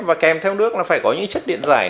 và kèm theo nước là phải có những chất điện giải